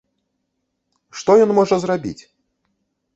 Што ён можа зрабіць?